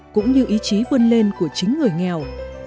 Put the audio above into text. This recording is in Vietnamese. cũng như ý chí vươn lên của chính người nghèo